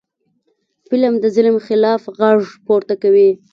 فلم د ظلم خلاف غږ پورته کوي